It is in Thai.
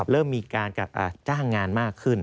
เริ่มมีการจ้างงานมากขึ้น